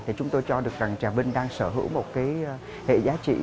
thì chúng tôi cho được rằng trà vinh đang sở hữu một cái hệ giá trị